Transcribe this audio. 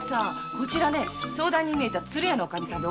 こちら相談にみえた鶴屋のおふくさん。